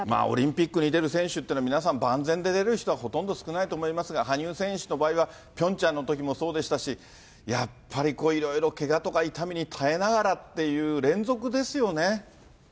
オリンピックに出る選手っていうのは皆さん、万全で出れる人はほとんど少ないと思いますが、羽生選手の場合は、ピョンチャンのときもそうでしたし、やっぱりいろいろけがとか痛みに耐えながらっていう連続ですよね。